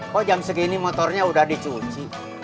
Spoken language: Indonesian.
kok jam segini motornya udah dicuci